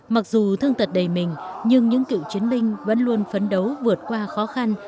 mặc dù thương tật đầy mình nhưng những cựu chiến binh vẫn luôn phấn đấu vượt qua khó khăn